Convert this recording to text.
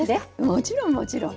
もちろんもちろん。